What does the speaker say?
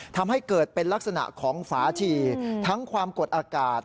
ทำให้เกิดเป็นลักษณะของฝาฉี่ทั้งความกดอากาศ